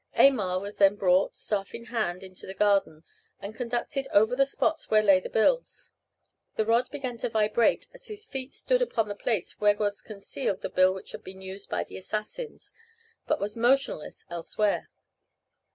Aymar was then brought, staff in hand, into the garden, and conducted over the spots where lay the bills. The rod began to vibrate as his feet stood upon the place where was concealed the bill which had been used by the assassins, but was motionless elsewhere.